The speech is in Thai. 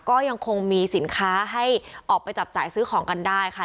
ก็ยังคงมีสินค้าให้ออกไปจับจ่ายซื้อของกันได้ค่ะ